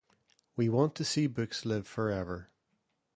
We want to see books live forever.